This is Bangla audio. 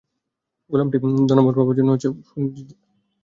গোলামটি ধন্যবাদ পাবার জন্য বুক ফুলিয়ে জনতার দিকে তাকায়।